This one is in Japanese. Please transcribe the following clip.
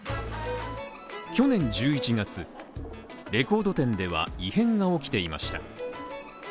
去年１１月、レコード店では、異変が起きていました。